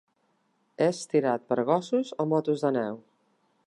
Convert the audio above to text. És tirat per gossos o motos de neu.